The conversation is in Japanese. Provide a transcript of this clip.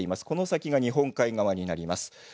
この先が日本海側になります。